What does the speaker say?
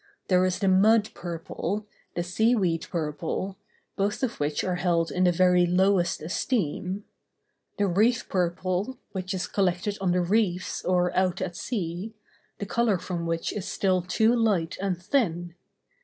There is the mud purple, the sea weed purple, both of which are held in the very lowest esteem; the reef purple, which is collected on the reefs or out at sea; the color from which is still too light and thin.